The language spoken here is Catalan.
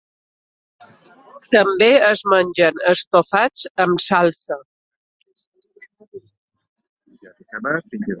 També es mengen estofats amb salsa.